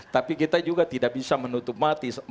tapi kita juga tidak bisa menutup mata